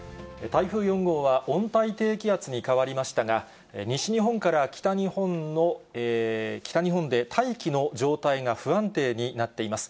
台風４号は温帯低気圧に変わりましたが、西日本から北日本で大気の状態が不安定になっています。